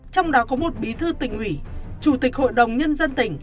trong đó có một bí thư tỉnh ủy chủ tịch hội đồng nhân dân tỉnh